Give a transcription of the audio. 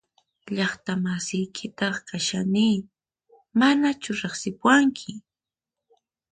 Llaqta masiykitaq kashani ¿Manachu riqsipuwanki?